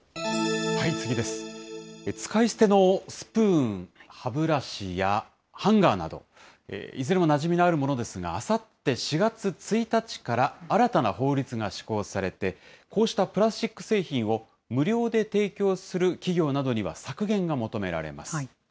使い捨てのスプーン、歯ブラシや、ハンガーなど、いずれもなじみのあるものですが、あさって４月１日から、新たな法律が施行されて、こうしたプラスチック製品を無料で提供する企業などには削減が求められます。